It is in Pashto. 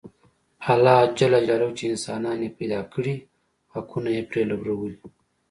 الله ج چې انسانان یې پیدا کړي حقونه یې پرې لورولي.